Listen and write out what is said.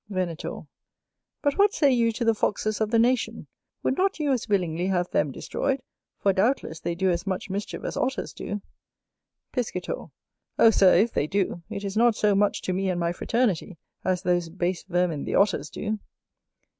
Venator. But what say you to the Foxes of the Nation, would not you as willingly have them destroyed? for doubtless they do as much mischief as Otters do. Piscator. Oh, Sir, if they do, it is not so much to me and my fraternity, as those base vermin the Otters do.